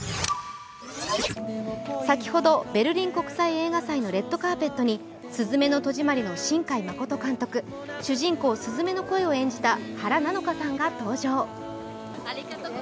先ほどベルリン国際映画祭のレッドカーペットに「すずめの戸締まり」の新海誠監督、主人公鈴芽の声を演じた原菜乃華さんが登場。